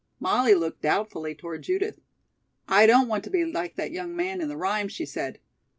Molly looked doubtfully toward Judith. "I don't want to be like that young man in the rhyme," she said.